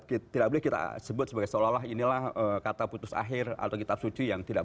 kita tidak boleh kita sebut sebagai seolah olah inilah kata putus akhir atau kitab suci yang tidak